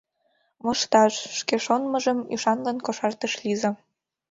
Мошташ! — шке шонымыжым ӱшанлын кошартыш Лиза.